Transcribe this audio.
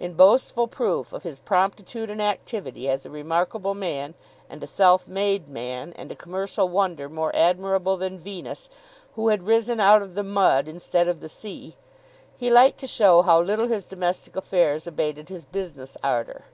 In boastful proof of his promptitude and activity, as a remarkable man, and a self made man, and a commercial wonder more admirable than Venus, who had risen out of the mud instead of the sea, he liked to show how little his domestic affairs abated his business ardour.